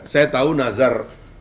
saya tahu nazar